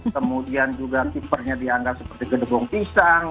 kemudian juga tipernya dianggap seperti gedegong pisang